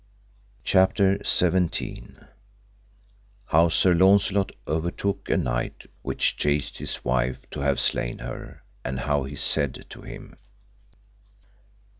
CHAPTER XVII. How Sir Launcelot overtook a knight which chased his wife to have slain her, and how he said to him.